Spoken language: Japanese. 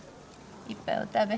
いっぱいお食べ。